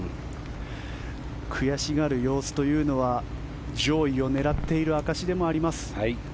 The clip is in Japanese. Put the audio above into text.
悔しがる様子というのは上位を狙っている証しでもあります。